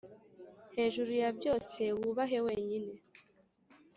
hejuru ya byose, wubahe wenyine.